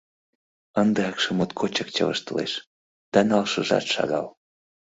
Ынде акше моткочак чывыштылеш, да налшыжат шагал...